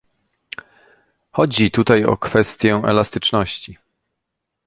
Chodzi tutaj o kwestię elastyczności